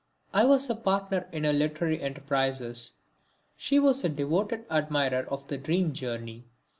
I was a partner in her literary enterprises. She was a devoted admirer of "The Dream Journey."